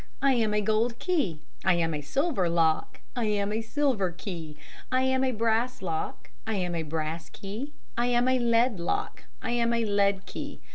"I am a gold key." "I am a silver lock." "I am a silver key." "I am a brass lock." "I am a brass key." "I am a lead lock." "I am a lead key."